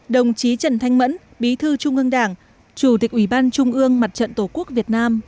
đồng chí trần thanh mẫn bí thư trung ương đảng chủ tịch ủy ban trung ương mặt trận tổ quốc việt nam